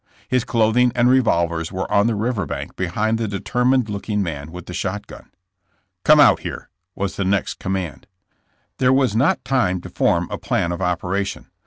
His clothing and revolvers were on the river bank be hind the determined looking man with the shot gun. ^'Come out here/' was the next command. There was not time to form a plan of operation.